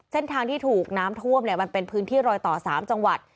เส้นทางที่ถูกน้ำท่วมเนี่ยมันเป็นพื้นที่รอยต่อ๓จังหวัด